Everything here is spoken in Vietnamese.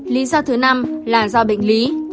lý do thứ năm là do bệnh lý